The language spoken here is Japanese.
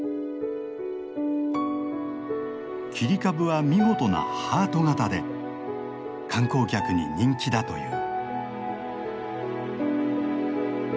切り株は見事なハート形で観光客に人気だという。